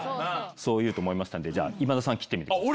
そう言うと思いましたのでじゃあ今田さん切ってみてください。